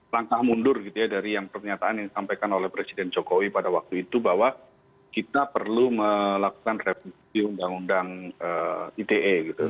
langkah mundur gitu ya dari yang pernyataan yang disampaikan oleh presiden jokowi pada waktu itu bahwa kita perlu melakukan revisi undang undang ite gitu